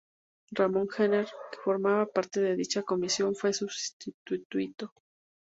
Ramon Gener, que formaba parte de dicha comisión, fue su sustituto.